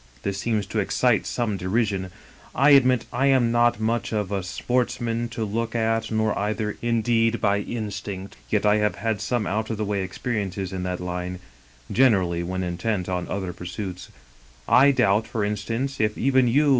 This seems to excite some derision. I admit I am not much of a sportsman to look at, nor, indeed, by instinct, yet I have had some out of the way experiences in that line — ^gener ally when intent on other pursuits. I doubt, for instance, if even you.